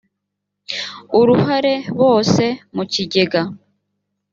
uruhare bose mu kigega